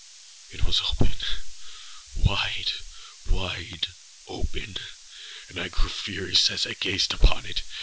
It was openâwide, wide openâand I grew furious as I gazed upon it.